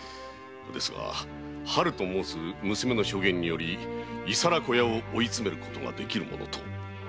ですが「春」と申す娘の証言により伊皿子屋を追いつめることができるものと。